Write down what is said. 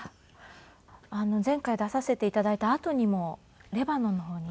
前回出させて頂いたあとにもレバノンの方に。